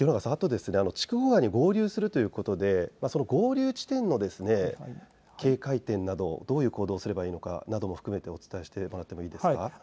筑後川に合流するということで合流地点の警戒点など、どういう行動をすればいいかなどを含めてお伝えしてもらっていいですか。